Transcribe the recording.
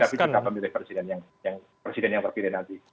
tapi juga pemilih presiden yang presiden presiden tadi